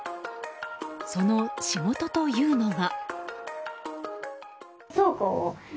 その仕事というのが。